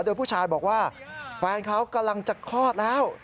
โดยผู้ชายบอกว่าแฟนเขากำลังจะคลอดแล้ว